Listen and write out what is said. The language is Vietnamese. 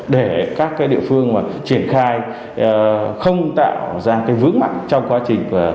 để các địa phương triển khai không tạo ra vướng mặt trong quá trình